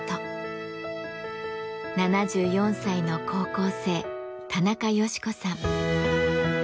７４歳の高校生田中ヨシ子さん。